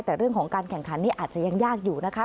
แต่เรื่องของการแข่งขันนี่อาจจะยังยากอยู่นะคะ